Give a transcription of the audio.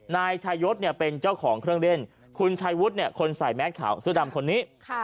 นายชายศเป็นเจ้าของเครื่องเล่นคุณชายวุฒิคนใส่แมสขาวเสื้อดำคนนี้